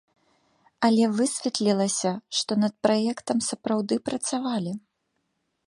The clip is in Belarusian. Але высветлілася, што над праектам сапраўды працавалі.